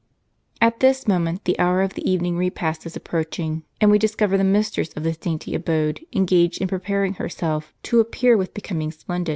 At this moment, the hour of the evening repast is approaching ; and we discover the mistress * Pronounced with the accent on the i. of this dainty abode engaged in preparing herself, to appear with becoming splendor.